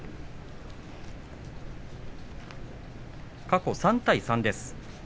過去３対３です。